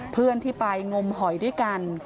เพื่อนที่ไปงมหอยด้วยกัน